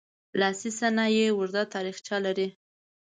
لاسي صنایع اوږده تاریخچه لري.